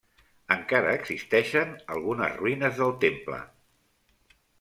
Encara existeixen algunes ruïnes del temple.